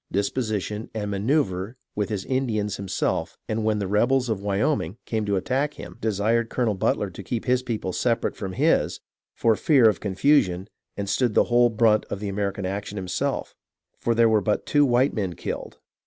Dis position, and Maneouvre with his Indns himself and when the Rebels of Wayoming came to attack him desired Col. Butler to keep his people separate from his for fear of Confusion and stood the whole Brunt of the Action him self, for there were but two white men killed [illegible].